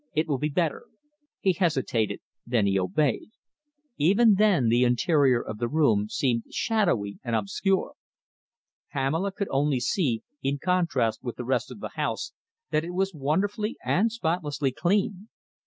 It will be better." He hesitated. Then he obeyed. Even then the interior of the room seemed shadowy and obscure. Pamela could only see, in contrast with the rest of the house, that it was wonderfully and spotlessly clean.